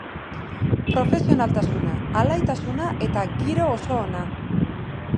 Profesionaltasuna, alaitasuna eta giro oso ona.